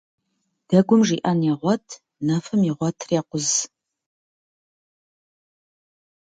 Дэгум жиӀэн егъуэт, нэфым игъуэтыр екъуз.